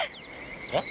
えっ？